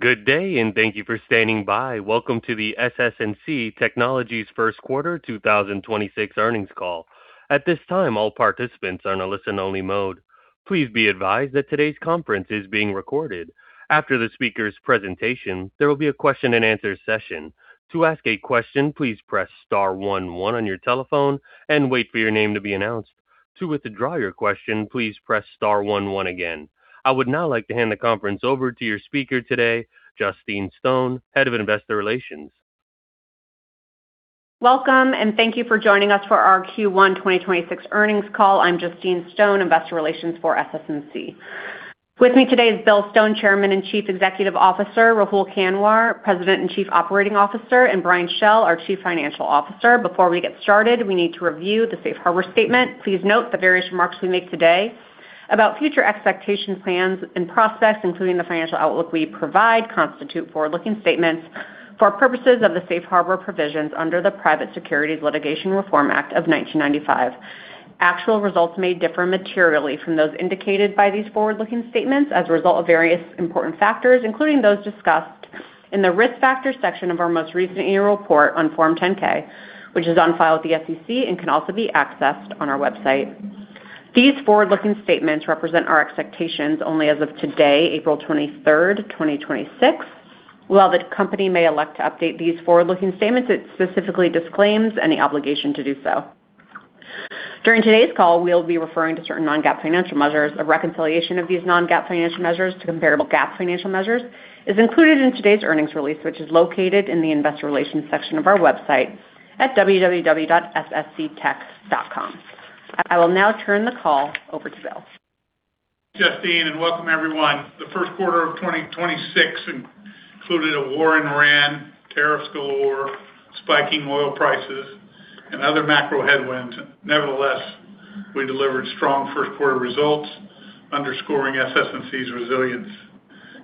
Good day, and thank you for standing by. Welcome to the SS&C Technologies first quarter 2026 earnings call. At this time, all participants are in a listen-only mode. Please be advised that today's conference is being recorded. After the speaker's presentation, there will be a question and answer session. To ask a question, please press star one one on your telephone and wait for your name to be announced. To withdraw your question, please press star one one again. I would now like to hand the conference over to your speaker today, Justine Stone, Head of Investor Relations. Welcome, and thank you for joining us for our Q1 2026 earnings call. I'm Justine Stone, Investor Relations for SS&C. With me today is Bill Stone, Chairman and Chief Executive Officer, Rahul Kanwar, President and Chief Operating Officer, and Brian Schell, our Chief Financial Officer. Before we get started, we need to review the safe harbor statement. Please note the various remarks we make today about future expectations, plans, and prospects, including the financial outlook we provide, constitute forward-looking statements for purposes of the safe harbor provisions under the Private Securities Litigation Reform Act of 1995. Actual results may differ materially from those indicated by these forward-looking statements as a result of various important factors, including those discussed in the Risk Factors section of our most recent annual report on Form 10-K, which is on file with the SEC and can also be accessed on our website. These forward-looking statements represent our expectations only as of today, April 23rd, 2026. While the company may elect to update these forward-looking statements, it specifically disclaims any obligation to do so. During today's call, we'll be referring to certain non-GAAP financial measures. A reconciliation of these non-GAAP financial measures to comparable GAAP financial measures is included in today's earnings release, which is located in the investor relations section of our website at www.ssctech.com. I will now turn the call over to Bill. Justine, and welcome everyone. The first quarter of 2026 included a war in Iran, tariffs galore, spiking oil prices, and other macro headwinds. Nevertheless, we delivered strong first-quarter results underscoring SS&C's resilience.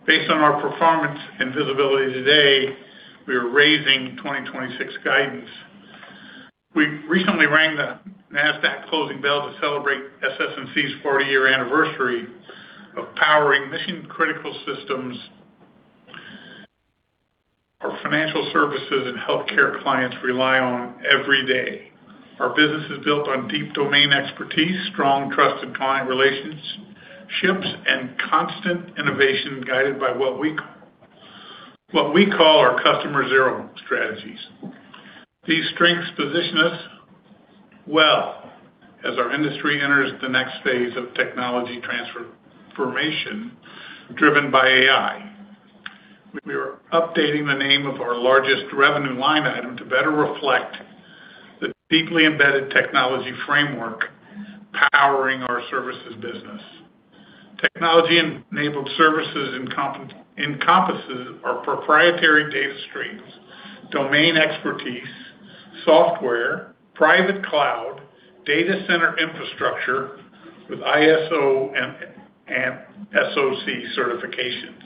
Based on our performance and visibility today, we are raising 2026 guidance. We recently rang the NASDAQ closing bell to celebrate SS&C's 40-year anniversary of powering mission-critical systems our financial services and healthcare clients rely on every day. Our business is built on deep domain expertise, strong trusted client relationships, and constant innovation guided by what we call our Customer Zero strategies. These strengths position us well as our industry enters the next phase of technology transformation driven by AI. We are updating the name of our largest revenue line item to better reflect the deeply embedded technology framework powering our services business. Technology-enabled services encompasses our proprietary data streams, domain expertise, software, private cloud, data center infrastructure with ISO and SOC certifications,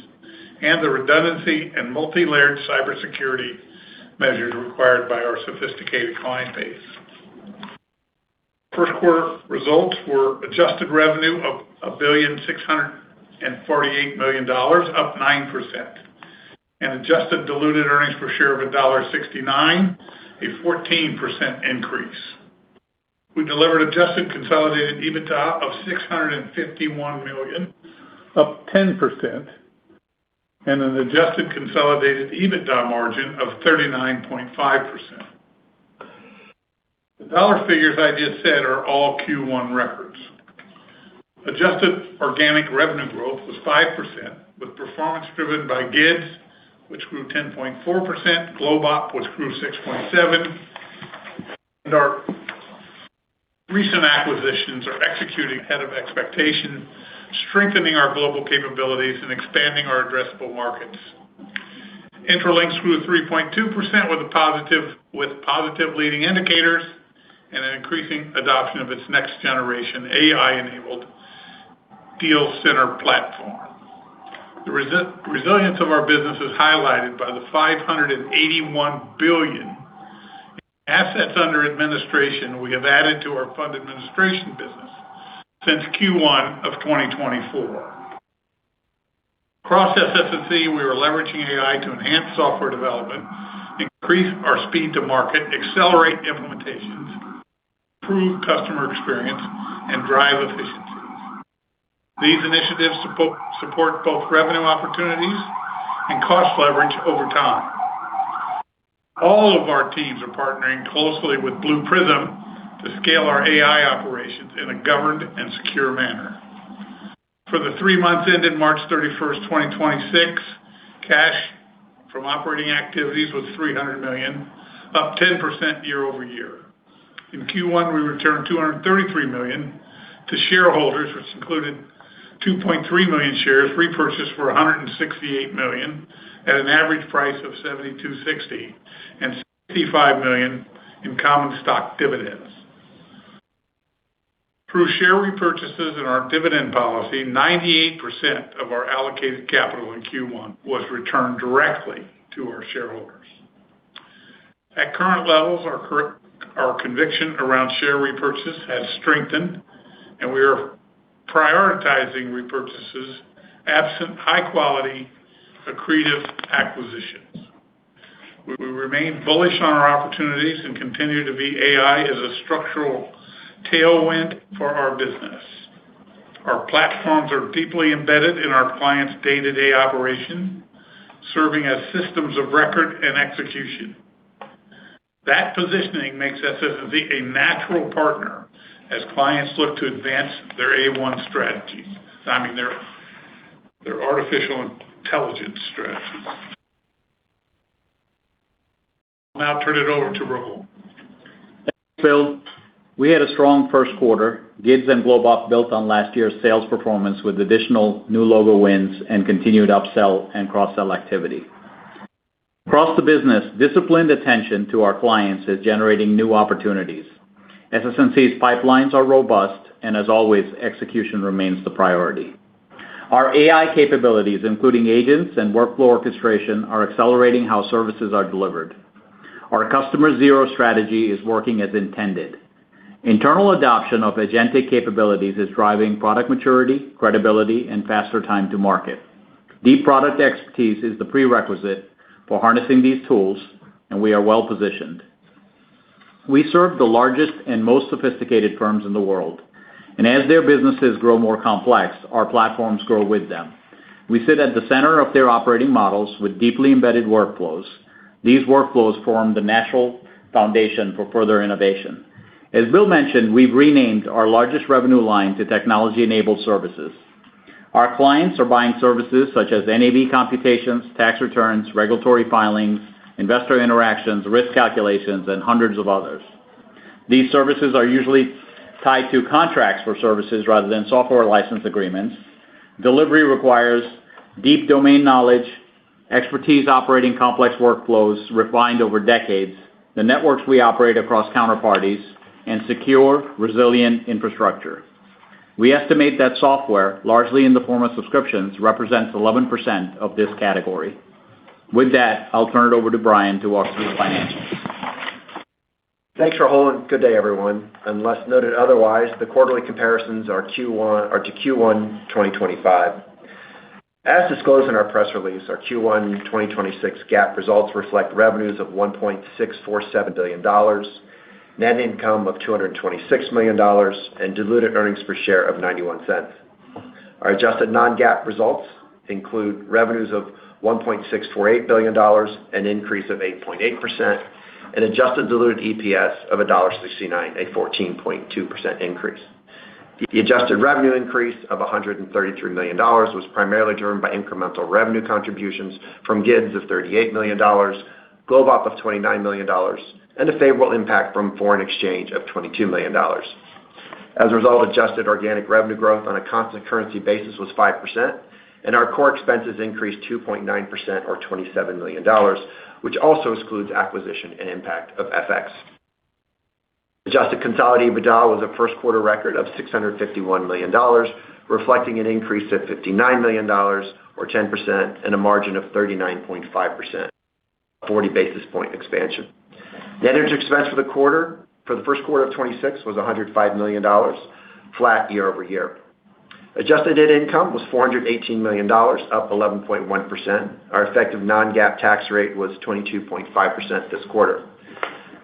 and the redundancy and multilayered cybersecurity measures required by our sophisticated client base. First quarter results were adjusted revenue of $1.648 billion, up 9%, and adjusted diluted earnings per share of $1.69, a 14% increase. We delivered adjusted consolidated EBITDA of $651 million, up 10%, and an adjusted consolidated EBITDA margin of 39.5%. The dollar figures I just said are all Q1 records. Adjusted organic revenue growth was 5%, with performance driven by GIDS, which grew 10.4%, GlobeOp, which grew 6.7%, and our recent acquisitions are executing ahead of expectation, strengthening our global capabilities and expanding our addressable markets. Intralinks grew 3.2% with positive leading indicators and an increasing adoption of its next generation AI-enabled DealCentre AI platform. The resilience of our business is highlighted by the $581 billion in assets under administration we have added to our fund administration business since Q1 of 2024. Across SS&C, we are leveraging AI to enhance software development, increase our speed to market, accelerate implementations, improve customer experience, and drive efficiencies. These initiatives support both revenue opportunities and cost leverage over time. All of our teams are partnering closely with Blue Prism to scale our AI operations in a governed and secure manner. For the three months ended March 31st, 2026, cash from operating activities was $300 million, up 10% year-over-year. In Q1, we returned $233 million to shareholders, which included 2.3 million shares repurchased for $168 million at an average price of $72.60 and $65 million in common stock dividends. Through share repurchases and our dividend policy, 98% of our allocated capital in Q1 was returned directly to our shareholders. At current levels, our conviction around share repurchase has strengthened, and we are prioritizing repurchases absent high-quality accretive acquisitions. We remain bullish on our opportunities and continue to view AI as a structural tailwind for our business. Our platforms are deeply embedded in our clients' day-to-day operations, serving as systems of record and execution. That positioning makes SS&C a natural partner as clients look to advance their AI strategies, I mean, their artificial intelligence strategies. I'll now turn it over to Rahul. Thanks, Bill. We had a strong first quarter. GIDS and GlobeOp built on last year's sales performance with additional new logo wins and continued upsell and cross-sell activity. Across the business, disciplined attention to our clients is generating new opportunities. SS&C's pipelines are robust, and as always, execution remains the priority. Our AI capabilities, including agents and workflow orchestration, are accelerating how services are delivered. Our Customer Zero strategy is working as intended. Internal adoption of agentic capabilities is driving product maturity, credibility, and faster time to market. Deep product expertise is the prerequisite for harnessing these tools, and we are well-positioned. We serve the largest and most sophisticated firms in the world, and as their businesses grow more complex, our platforms grow with them. We sit at the center of their operating models with deeply embedded workflows. These workflows form the natural foundation for further innovation. As Bill mentioned, we've renamed our largest revenue line to technology-enabled services. Our clients are buying services such as NAV computations, tax returns, regulatory filings, investor interactions, risk calculations, and hundreds of others. These services are usually tied to contracts for services rather than software license agreements. Delivery requires deep domain knowledge, expertise operating complex workflows refined over decades, the networks we operate across counterparties, and secure, resilient infrastructure. We estimate that software, largely in the form of subscriptions, represents 11% of this category. With that, I'll turn it over to Brian to walk through the financials. Thanks, Rahul, and good day, everyone. Unless noted otherwise, the quarterly comparisons are to Q1 2025. As disclosed in our press release, our Q1 2026 GAAP results reflect revenues of $1.647 billion, net income of $226 million, and diluted earnings per share of $0.91. Our adjusted non-GAAP results include revenues of $1.648 billion, an increase of 8.8%, and adjusted diluted EPS of $1.69, a 14.2% increase. The adjusted revenue increase of $133 million was primarily driven by incremental revenue contributions from GIDS of $38 million, GlobeOp of $29 million, and a favorable impact from foreign exchange of $22 million. As a result, adjusted organic revenue growth on a constant currency basis was 5%, and our core expenses increased 2.9% or $27 million, which also excludes acquisition and impact of FX. Adjusted consolidated EBITDA was a first quarter record of $651 million, reflecting an increase of $59 million or 10% and a margin of 39.5%, a 40 basis point expansion. Net interest expense for the quarter, for the first quarter of 2026, was $105 million, flat year over year. Adjusted net income was $418 million, up 11.1%. Our effective non-GAAP tax rate was 22.5% this quarter.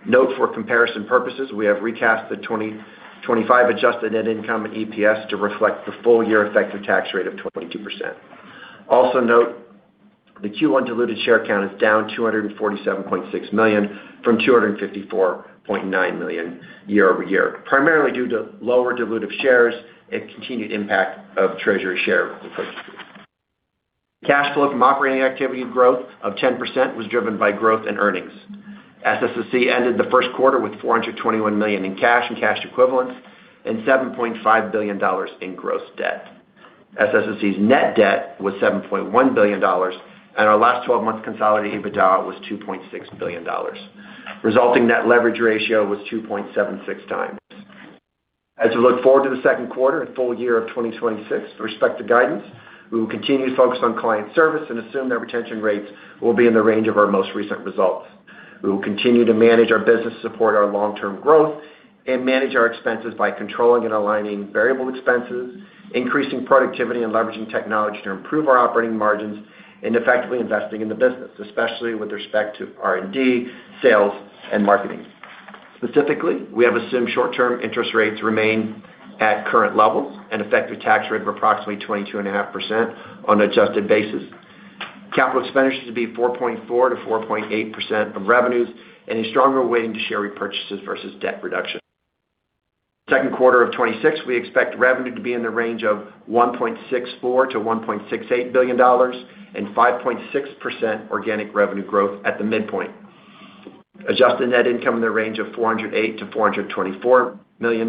Note for comparison purposes, we have recast the 2025 adjusted net income and EPS to reflect the full-year effective tax rate of 22%. Also note the Q1 diluted share count is down 247.6 million from 254.9 million year over year, primarily due to lower dilutive shares and continued impact of treasury share repurchases. Cash flow from operating activities growth of 10% was driven by growth and earnings. SS&C ended the first quarter with $421 million in cash and cash equivalents and $7.5 billion in gross debt. SS&C's net debt was $7.1 billion, and our last 12 months consolidated EBITDA was $2.6 billion. Resulting net leverage ratio was 2.76x. As we look forward to the second quarter and full year of 2026 with respect to guidance, we will continue to focus on client service and assume that retention rates will be in the range of our most recent results. We will continue to manage our business to support our long-term growth and manage our expenses by controlling and aligning variable expenses, increasing productivity and leveraging technology to improve our operating margins and effectively investing in the business, especially with respect to R&D, sales, and marketing. Specifically, we have assumed short-term interest rates remain at current levels, an effective tax rate of approximately 22.5% on an adjusted basis. Capital expenditures to be 4.4%-4.8% of revenues and a stronger weighting to share repurchases versus debt reduction. Second quarter of 2026, we expect revenue to be in the range of $1.64-$1.68 billion and 5.6% organic revenue growth at the midpoint. Adjusted net income in the range of $408-$424 million.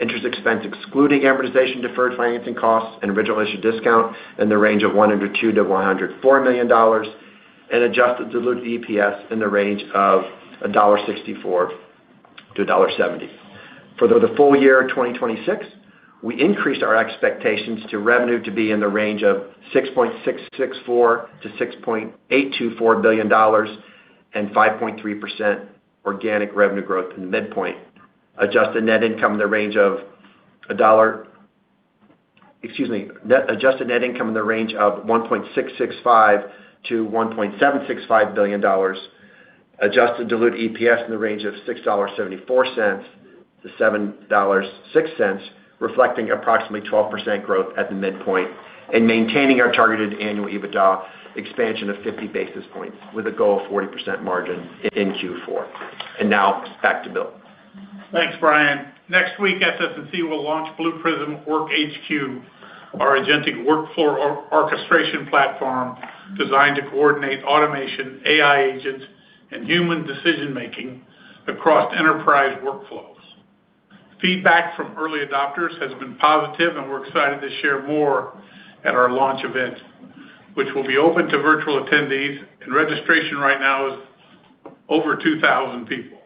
Interest expense excluding amortization, deferred financing costs and original issue discount in the range of $102-$104 million, and adjusted diluted EPS in the range of $1.64-$1.70. For the full year 2026, we increased our expectations for revenue to be in the range of $6.664-$6.824 billion and 5.3% organic revenue growth in the midpoint. Adjusted net income in the range of $1.665-$1.765 billion. Adjusted diluted EPS in the range of $6.74-$7.06, reflecting approximately 12% growth at the midpoint, and maintaining our targeted annual EBITDA expansion of 50 basis points with a goal of 40% margin in Q4. Now back to Bill. Thanks, Brian. Next week, SS&C will launch SS&C Blue Prism WorkHQ, our agentic workflow orchestration platform designed to coordinate automation, AI agents, and human decision-making across enterprise workflows. Feedback from early adopters has been positive, and we're excited to share more at our launch event, which will be open to virtual attendees, and registration right now is over 2,000 people.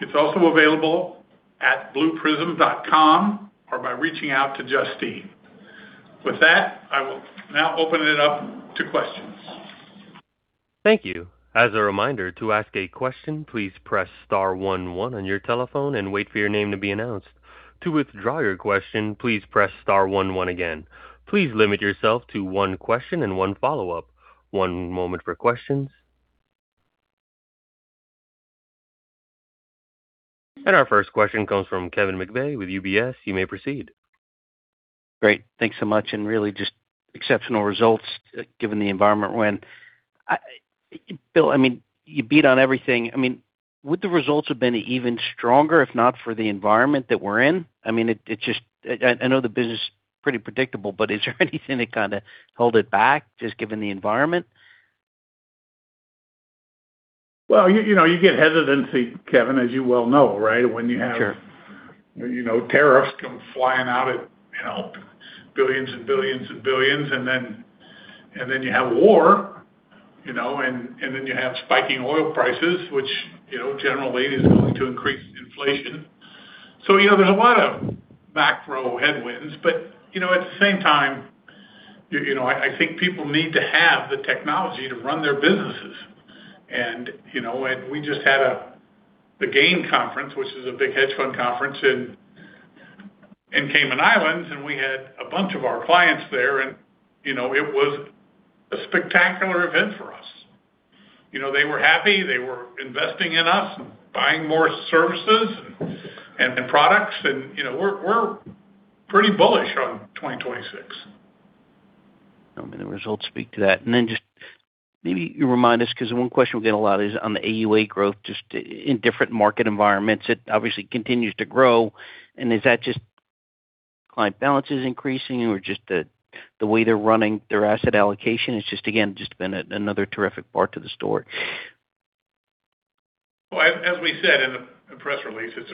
It's also available at blueprism.com or by reaching out to Justine. With that, I will now open it up to questions. Thank you. As a reminder, to ask a question, please press * one one on your telephone and wait for your name to be announced. To withdraw your question, please press * one one again. Please limit yourself to one question and one follow-up. One moment for questions. Our first question comes from Kevin McVeigh with UBS. You may proceed. Great. Thanks so much, and really just exceptional results given the environment we're in. Bill, you beat on everything. Would the results have been even stronger if not for the environment that we're in? I know the business is pretty predictable, but is there anything that kind of held it back, just given the environment? Well, you get hesitancy, Kevin, as you well know, right? Sure. When you have tariffs come flying out at billions and billions and billions, and then you have war, and then you have spiking oil prices, which generally is going to increase inflation. There's a lot of macro headwinds. At the same time, I think people need to have the technology to run their businesses. We just had the GAIM conference, which is a big hedge fund conference in Cayman Islands, and we had a bunch of our clients there and it was a spectacular event for us. They were happy. They were investing in us and buying more services and products, and we're pretty bullish on 2026. The results speak to that. Just maybe you remind us, because one question we get a lot is on the AUA growth, just in different market environments, it obviously continues to grow. Is that just client balances increasing or just the way they're running their asset allocation? It's just, again, just been another terrific part to the story. Well, as we said in the press releases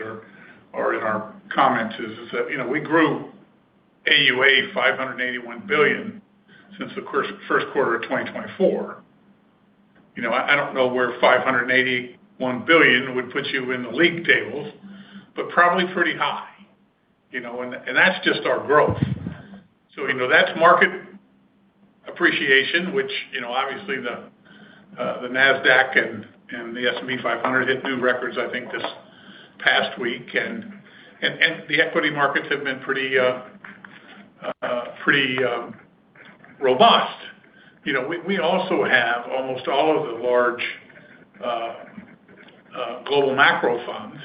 or in our comments, is that we grew AUA $581 billion since the first quarter of 2024. I don't know where $581 billion would put you in the league tables, but probably pretty high. That's just our growth. That's market appreciation, which obviously the NASDAQ and the S&P 500 hit new records, I think, this past week. The equity markets have been pretty robust. We also have almost all of the large global macro funds,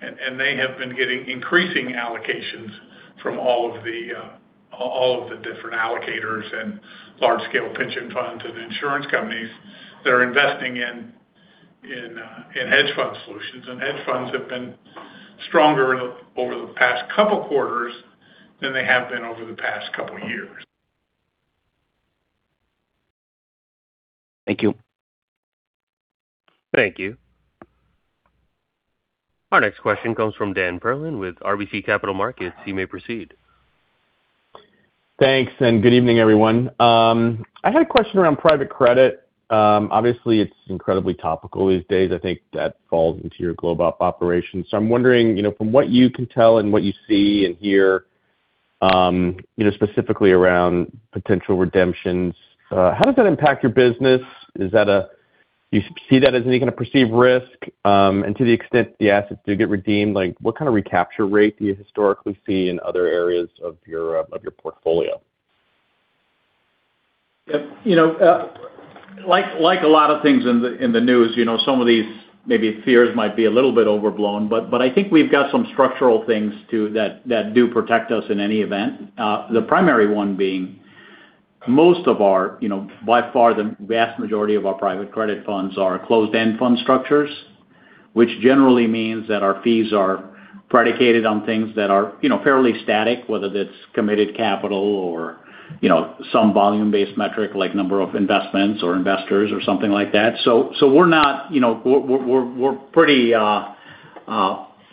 and they have been getting increasing allocations from all of the different allocators and large-scale pension funds and insurance companies that are investing in hedge fund solutions. Hedge funds have been stronger over the past couple quarters than they have been over the past couple years. Thank you. Thank you. Our next question comes from Dan Perlin with RBC Capital Markets. You may proceed. Thanks, and good evening, everyone. I had a question around private credit. Obviously, it's incredibly topical these days. I think that falls into your GlobeOp operations. I'm wondering, from what you can tell and what you see and hear, specifically around potential redemptions, how does that impact your business? Do you see that as any kind of perceived risk? To the extent the assets do get redeemed, what kind of recapture rate do you historically see in other areas of your portfolio? Like a lot of things in the news, some of these maybe fears might be a little bit overblown, but I think we've got some structural things too that do protect us in any event. The primary one being, by far, the vast majority of our private credit funds are closed-end fund structures, which generally means that our fees are predicated on things that are fairly static, whether that's committed capital or some volume-based metric like number of investments or investors or something like that. We're pretty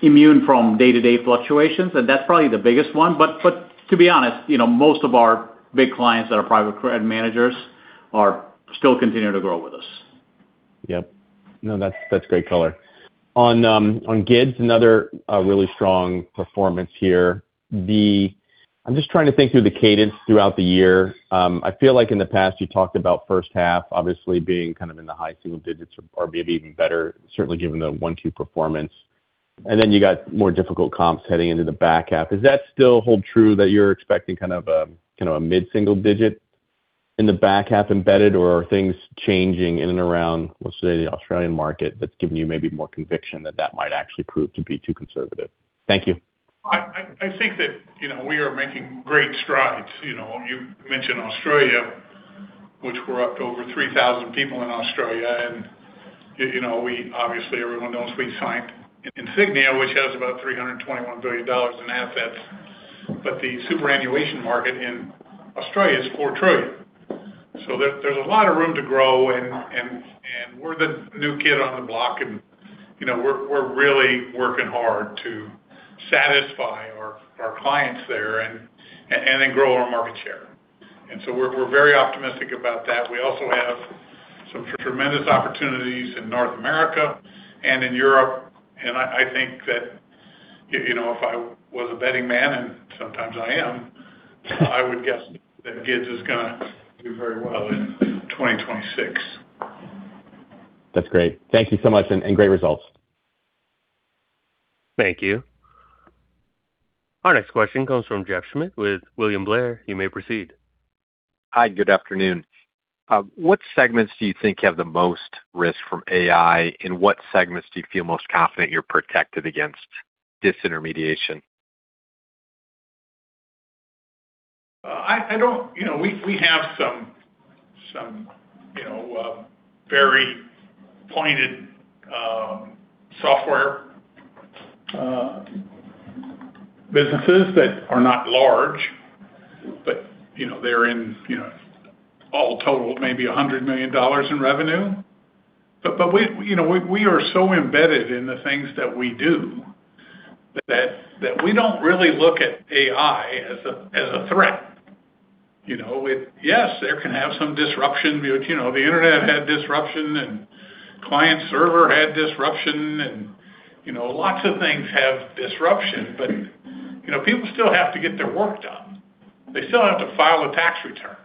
Immune from day-to-day fluctuations, and that's probably the biggest one. To be honest, most of our big clients that are private credit managers still continue to grow with us. Yep. No, that's great color. On GIDS, another really strong performance here. I'm just trying to think through the cadence throughout the year. I feel like in the past you talked about first half obviously being kind of in the high single digits or maybe even better, certainly given the one, two performance. You got more difficult comps heading into the back half. Does that still hold true that you're expecting kind of a mid-single digit in the back half embedded or are things changing in and around, let's say, the Australian market that's giving you maybe more conviction that that might actually prove to be too conservative? Thank you. I think that we are making great strides. You mentioned Australia, which we're up to over 3,000 people in Australia, and obviously everyone knows we signed Insignia, which has about $321 billion in assets. The superannuation market in Australia is $4 trillion. There's a lot of room to grow and we're the new kid on the block and we're really working hard to satisfy our clients there and then grow our market share. We're very optimistic about that. We also have some tremendous opportunities in North America and in Europe. I think that, if I was a betting man, and sometimes I am, I would guess that GIDS is going to do very well in 2026. That's great. Thank you so much and great results. Thank you. Our next question comes from Jeff Schmitt with William Blair. You may proceed. Hi, good afternoon. What segments do you think have the most risk from AI? In what segments do you feel most confident you're protected against disintermediation? We have some very pointed software businesses that are not large, but they're in all total, maybe $100 million in revenue. We are so embedded in the things that we do that we don't really look at AI as a threat. Yes, there can have some disruption. The internet had disruption and client server had disruption and lots of things have disruption, but people still have to get their work done. They still have to file a tax return.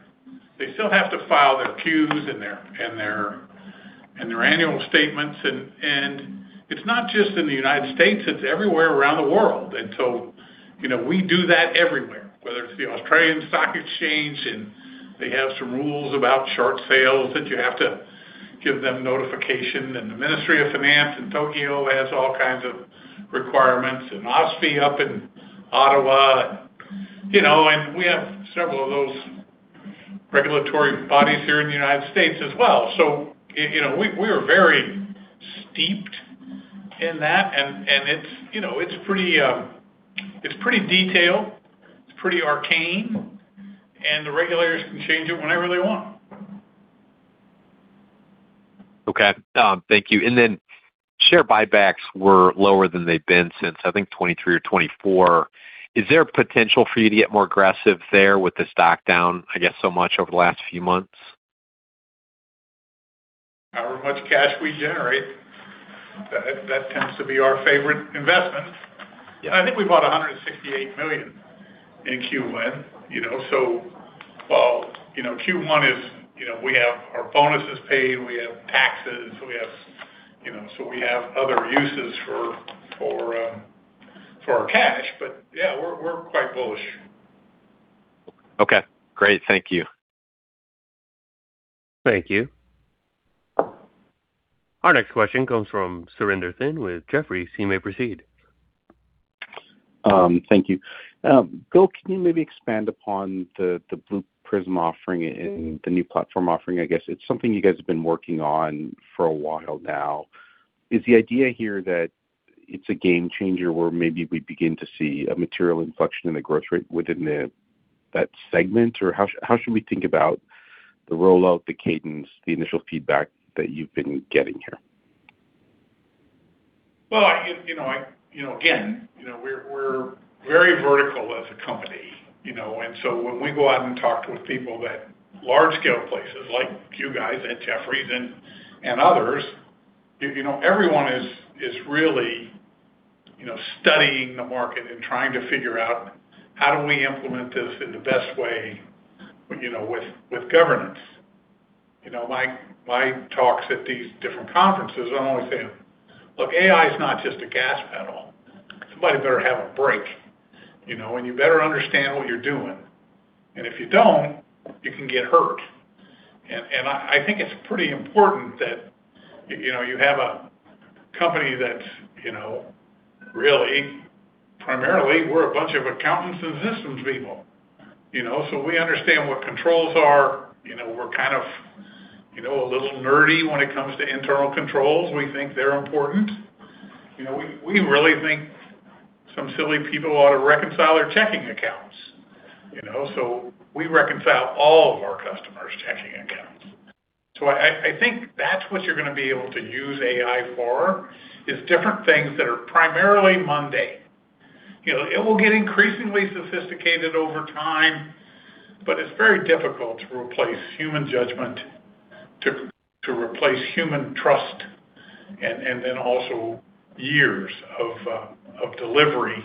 They still have to file their Q's and their annual statements. It's not just in the United States, it's everywhere around the world. We do that everywhere, whether it's the Australian Securities Exchange, and they have some rules about short sales that you have to give them notification. The Ministry of Finance in Tokyo has all kinds of requirements, and OSFI up in Ottawa. We have several of those regulatory bodies here in the United States as well. We are very steeped in that, and it's pretty detailed, it's pretty arcane, and the regulators can change it whenever they want. Okay. Thank you. Share buybacks were lower than they've been since, I think, 2023 or 2024. Is there potential for you to get more aggressive there with the stock down, I guess, so much over the last few months? However much cash we generate, that tends to be our favorite investment. I think we bought $168 million in Q1. While Q1 is we have our bonuses paid, we have taxes, so we have other uses for our cash. Yeah, we're quite bullish. Okay, great. Thank you. Thank you. Our next question comes from Surinder Thind with Jefferies. You may proceed. Thank you. Bill, can you maybe expand upon the Blue Prism offering and the new platform offering, I guess? It's something you guys have been working on for a while now. Is the idea here that it's a game changer where maybe we begin to see a material inflection in the growth rate within that segment? Or how should we think about the rollout, the cadence, the initial feedback that you've been getting here? Again, we're very vertical as a company. When we go out and talk with people that large scale places like you guys at Jefferies and others, everyone is really studying the market and trying to figure out how do we implement this in the best way with governance. My talks at these different conferences, I'm always saying, "Look, AI is not just a gas pedal. Somebody better have a brake, and you better understand what you're doing. And if you don't, you can get hurt." I think it's pretty important that you have a company that really, primarily we're a bunch of accountants and systems people. We understand what controls are. We're kind of a little nerdy when it comes to internal controls. We think they're important. We really think some silly people ought to reconcile their checking accounts. We reconcile all of our customers' checking accounts. I think that's what you're going to be able to use AI for, is different things that are primarily mundane. It will get increasingly sophisticated over time, but it's very difficult to replace human judgment, to replace human trust, and then also years of delivery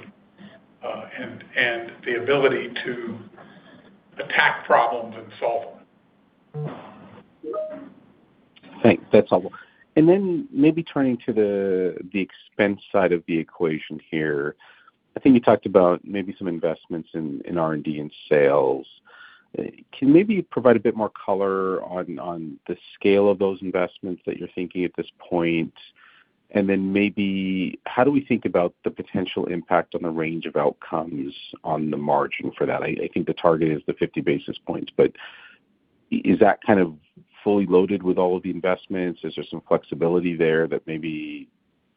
and the ability to attack problems and solve them. Thanks. That's helpful. Maybe turning to the expense side of the equation here, I think you talked about maybe some investments in R&D and sales. Can maybe you provide a bit more color on the scale of those investments that you're thinking at this point, and then maybe how do we think about the potential impact on the range of outcomes on the margin for that? I think the target is the 50 basis points, but is that kind of fully loaded with all of the investments? Is there some flexibility there that maybe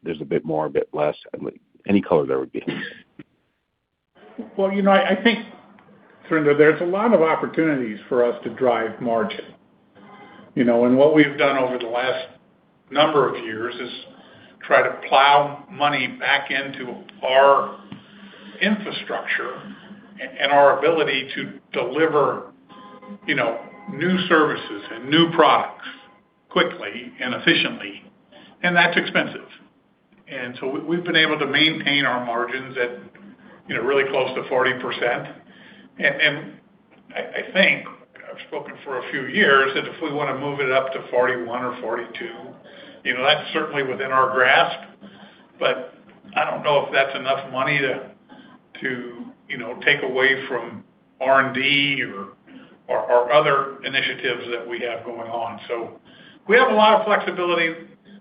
there's a bit more, a bit less? Any color there would be. Well, I think, Surinder, there's a lot of opportunities for us to drive margin. What we've done over the last number of years is try to plow money back into our infrastructure and our ability to deliver new services and new products quickly and efficiently, and that's expensive. We've been able to maintain our margins at really close to 40%. I think, I've spoken for a few years, that if we want to move it up to 41 or 42, that's certainly within our grasp. I don't know if that's enough money to take away from R&D or other initiatives that we have going on. We have a lot of flexibility.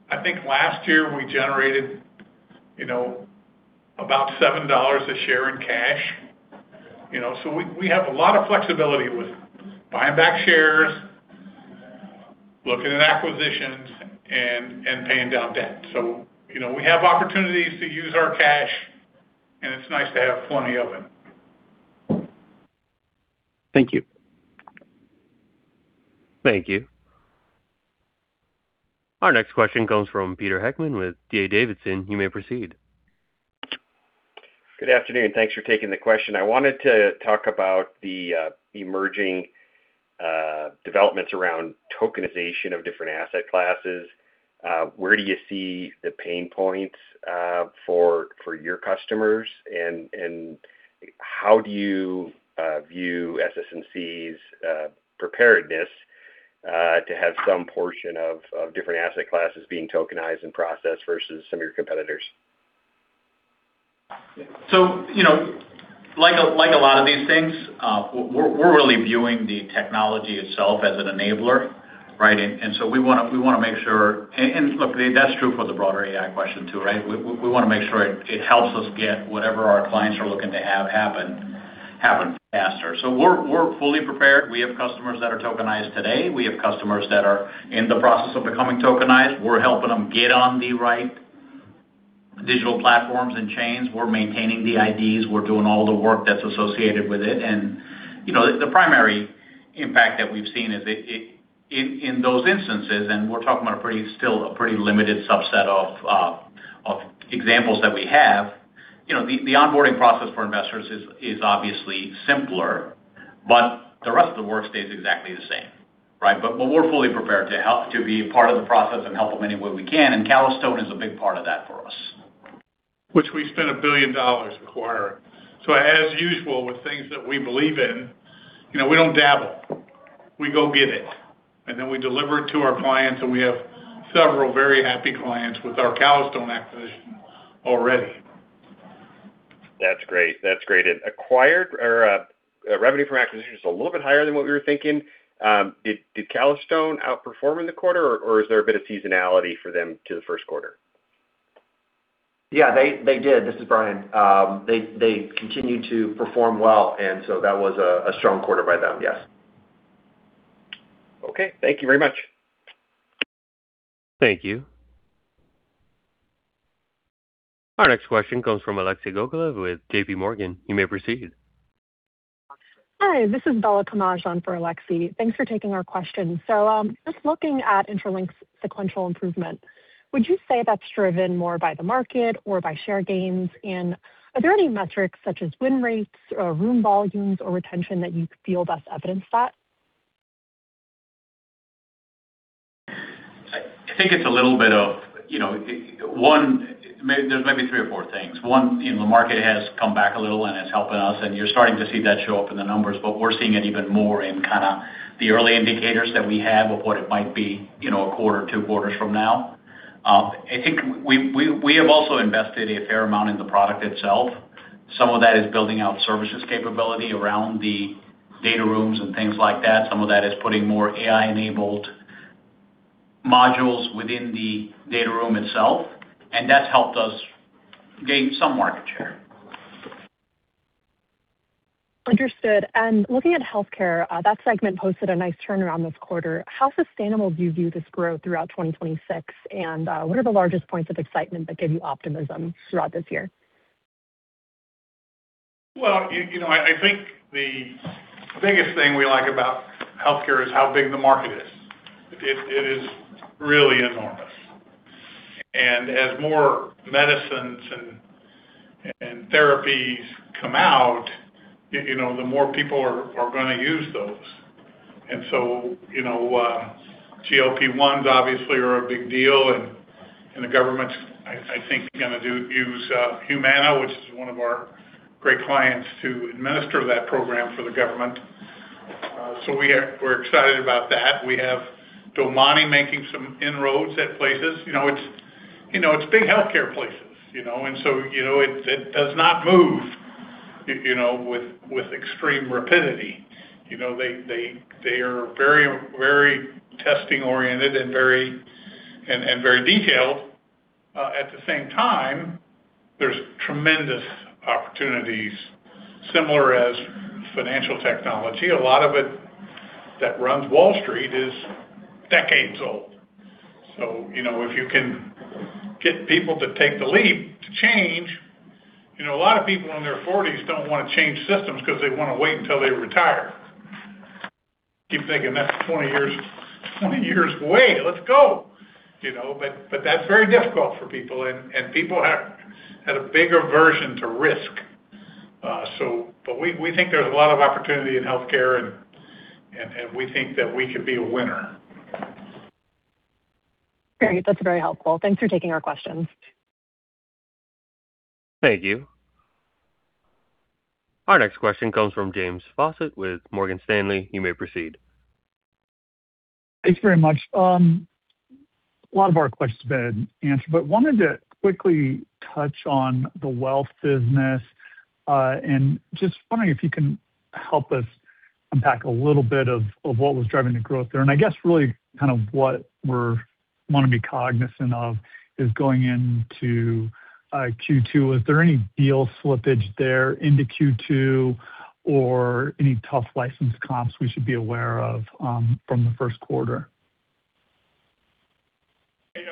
I think last year we generated about $7 a share in cash. We have a lot of flexibility with buying back shares, looking at acquisitions, and paying down debt. We have opportunities to use our cash, and it's nice to have plenty of it. Thank you. Thank you. Our next question comes from Peter Heckmann with D.A. Davidson. You may proceed. Good afternoon. Thanks for taking the question. I wanted to talk about the emerging developments around tokenization of different asset classes. Where do you see the pain points for your customers? How do you view SS&C's preparedness to have some portion of different asset classes being tokenized in process versus some of your competitors? Like a lot of these things, we're really viewing the technology itself as an enabler, right? We want to make sure. Look, that's true for the broader AI question too, right? We want to make sure it helps us get whatever our clients are looking to have happen faster. We're fully prepared. We have customers that are tokenized today. We have customers that are in the process of becoming tokenized. We're helping them get on the right digital platforms and chains. We're maintaining the IDs. We're doing all the work that's associated with it. The primary impact that we've seen is in those instances, and we're talking about still a pretty limited subset of examples that we have. The onboarding process for investors is obviously simpler, but the rest of the work stays exactly the same, right? We're fully prepared to help to be a part of the process and help them any way we can, and Calastone is a big part of that for us. Which we spent $1 billion to acquire. As usual, with things that we believe in, we don't dabble. We go get it, and then we deliver it to our clients, and we have several very happy clients with our Calastone acquisition already. That's great. Acquisition revenue from acquisitions a little bit higher than what we were thinking. Did Calastone outperform in the quarter, or is there a bit of seasonality for them in the first quarter? Yeah, they did. This is Brian. They continued to perform well, and so that was a strong quarter by them, yes. Okay. Thank you very much. Thank you. Our next question comes from Alexei Gogolev with JPMorgan. You may proceed. Hi, this is Bella Camaj for Alexei. Thanks for taking our question. Just looking at Intralinks' sequential improvement, would you say that's driven more by the market or by share gains? And are there any metrics such as win rates or room volumes or retention that you feel best evidence that? I think it's a little bit. Maybe there are three or four things. One, the market has come back a little and is helping us, and you're starting to see that show up in the numbers, but we're seeing it even more in kind of the early indicators that we have of what it might be a quarter, two quarters from now. I think we have also invested a fair amount in the product itself. Some of that is building out services capability around the data rooms and things like that. Some of that is putting more AI-enabled modules within the data room itself, and that's helped us gain some market share. Understood. Looking at healthcare, that segment posted a nice turnaround this quarter. How sustainable do you view this growth throughout 2026? What are the largest points of excitement that give you optimism throughout this year? Well, I think the biggest thing we like about healthcare is how big the market is. It is really enormous. As more medicines and therapies come out, the more people are going to use those. GLP-1s obviously are a big deal, and the government's, I think, going to use Humana, which is one of our great clients, to administer that program for the government. We're excited about that. We have DomaniRx making some inroads at places. It's big healthcare places. It does not move with extreme rapidity. They are very testing-oriented and very detailed. At the same time, there's tremendous opportunities, similar as financial technology. A lot of it that runs Wall Street is decades old. If you can get people to take the leap to change, a lot of people in their 40s don't want to change systems because they want to wait until they retire. Keep thinking that's 20 years away. Let's go. That's very difficult for people, and people have had a big aversion to risk. We think there's a lot of opportunity in healthcare, and we think that we could be a winner. Great. That's very helpful. Thanks for taking our questions. Thank you. Our next question comes from James Faucette with Morgan Stanley. You may proceed. Thanks very much. A lot of our questions have been answered, but I wanted to quickly touch on the wealth business. Just wondering if you can help us unpack a little bit of what was driving the growth there. I guess really kind of what we want to be cognizant of is going into Q2, is there any deal slippage there into Q2 or any tough license comps we should be aware of from the first quarter?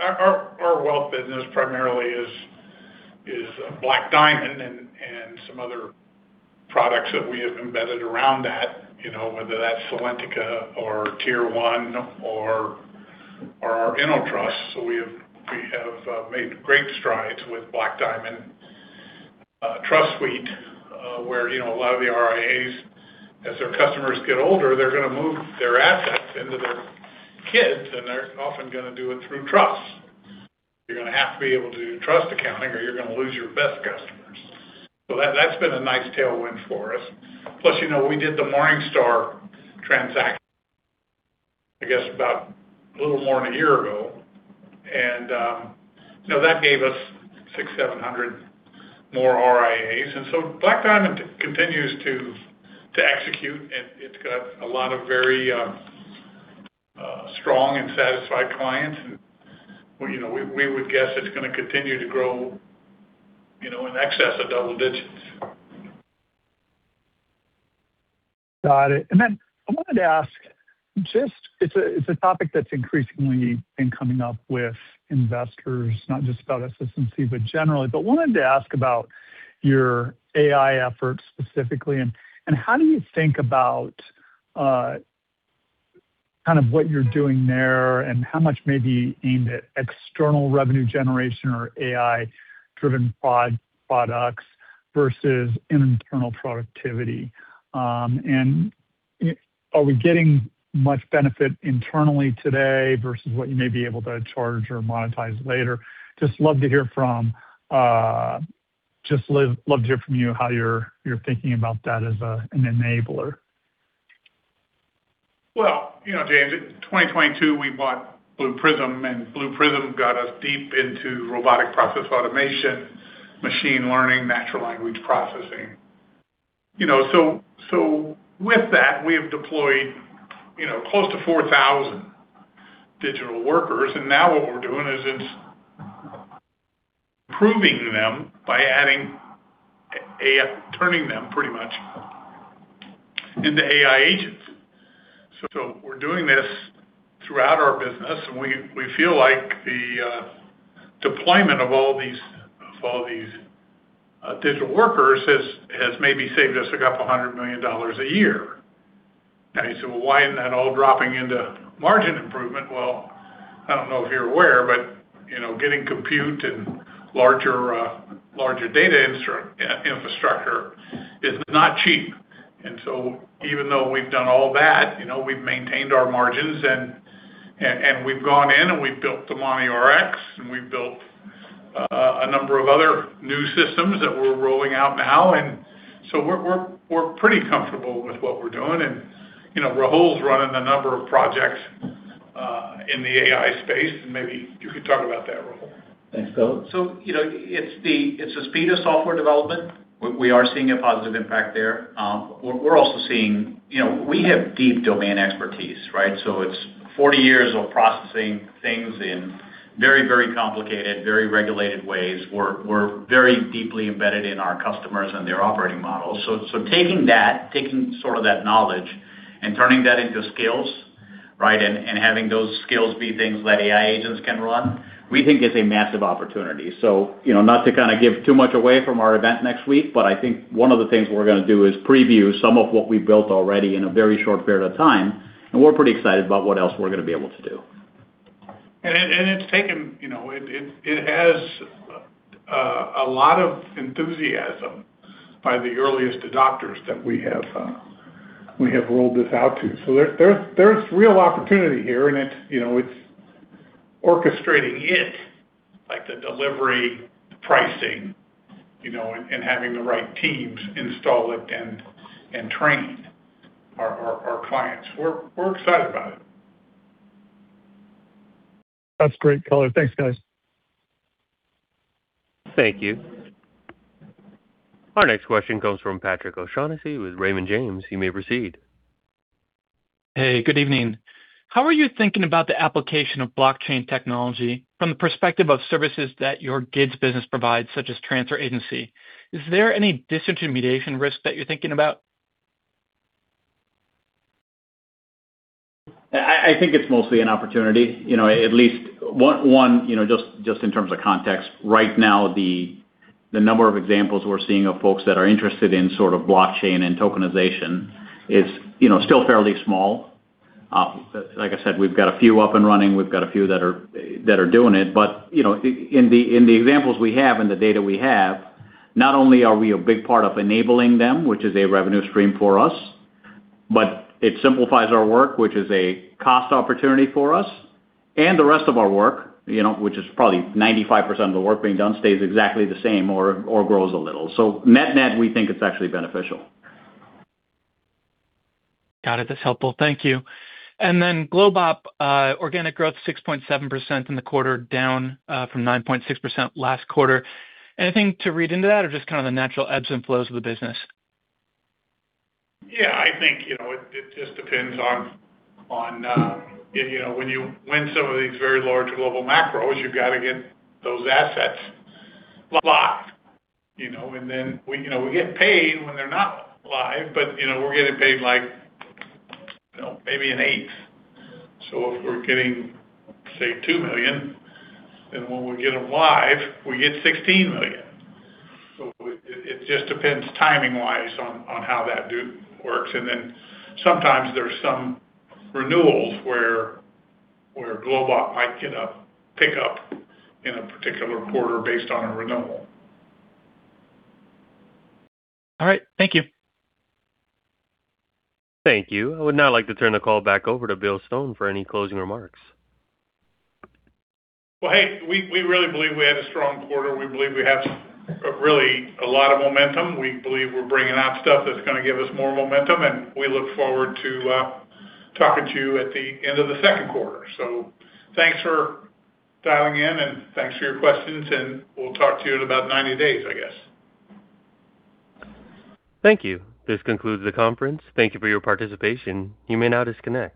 Our wealth business primarily is Black Diamond and some other products that we have embedded around that, whether that's Salentica or Tier1 or our InnoTrust. We have made great strides with Black Diamond Trust Suite, where a lot of the RIAs, as their customers get older, they're going to move their assets into their kids, and they're often going to do it through trusts. You're going to have to be able to do trust accounting, or you're going to lose your best customers. That's been a nice tailwind for us. Plus, we did the Morningstar transaction, I guess, about a little more than a year ago, and that gave us 6,700 more RIAs. Black Diamond continues to execute, and it's got a lot of very strong and satisfied clients, and we would guess it's going to continue to grow in excess of double digits. Got it. I wanted to ask, it's a topic that's increasingly been coming up with investors, not just about SS&C, but generally. Wanted to ask about your AI efforts specifically, and how do you think about kind of what you're doing there and how much may be aimed at external revenue generation or AI-driven products versus internal productivity? Are we getting much benefit internally today versus what you may be able to charge or monetize later? I just love to hear from you how you're thinking about that as an enabler. Well, James, in 2022, we bought Blue Prism, and Blue Prism got us deep into robotic process automation, machine learning, natural language processing. With that, we have deployed close to 4,000 digital workers, and now what we're doing is it's improving them by turning them pretty much into AI agents. We're doing this throughout our business, and we feel like the deployment of all these digital workers has maybe saved us $200 million a year. Now you say, "Well, why isn't that all dropping into margin improvement?" Well, I don't know if you're aware, but getting compute and larger data infrastructure is not cheap. Even though we've done all that, we've maintained our margins, and we've gone in and we've built DomaniRx, and we've built a number of other new systems that we're rolling out now. We're pretty comfortable with what we're doing. Rahul's running a number of projects in the AI space, and maybe you could talk about that, Rahul. Thanks, Bill. It's the speed of software development. We are seeing a positive impact there. We're also seeing we have deep domain expertise, right? It's 40 years of processing things in very complicated, very regulated ways. We're very deeply embedded in our customers and their operating models. Taking that, taking sort of that knowledge and turning that into skills, right? Having those skills be things that AI agents can run, we think is a massive opportunity. Not to kind of give too much away from our event next week, but I think one of the things we're going to do is preview some of what we've built already in a very short period of time, and we're pretty excited about what else we're going to be able to do. It has a lot of enthusiasm by the earliest adopters that we have rolled this out to. There's real opportunity here, and it's orchestrating it, like the delivery, the pricing, and having the right teams install it and train our clients. We're excited about it. That's great color. Thanks, guys. Thank you. Our next question comes from Patrick O'Shaughnessy with Raymond James. You may proceed. Hey, good evening. How are you thinking about the application of blockchain technology from the perspective of services that your GIDS business provides, such as transfer agency? Is there any disintermediation risk that you're thinking about? I think it's mostly an opportunity. At least, one, just in terms of context, right now, the number of examples we're seeing of folks that are interested in sort of blockchain and tokenization is still fairly small. Like I said, we've got a few up and running. We've got a few that are doing it. But in the examples we have and the data we have, not only are we a big part of enabling them, which is a revenue stream for us, but it simplifies our work, which is a cost opportunity for us. The rest of our work, which is probably 95% of the work being done, stays exactly the same or grows a little. Net-net, we think it's actually beneficial. Got it. That's helpful. Thank you. GlobeOp organic growth 6.7% in the quarter, down from 9.6% last quarter. Anything to read into that or just kind of the natural ebbs and flows of the business? Yeah, I think it just depends on when you win some of these very large global macros. You've got to get those assets locked. We get paid when they're not live, but we're getting paid like maybe an eighth. If we're getting, say, $2 million, then when we get them live, we get $16 million. It just depends timing-wise on how that works. Sometimes there's some renewals where GlobeOp might pick up in a particular quarter based on a renewal. All right. Thank you. Thank you. I would now like to turn the call back over to Bill Stone for any closing remarks. Well, hey, we really believe we had a strong quarter. We believe we have really a lot of momentum. We believe we're bringing out stuff that's going to give us more momentum, and we look forward to talking to you at the end of the second quarter. Thanks for dialing in, and thanks for your questions. We'll talk to you in about 90 days, I guess. Thank you. This concludes the conference. Thank you for your participation. You may now disconnect.